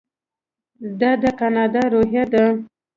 دا د کاناډا روحیه ده.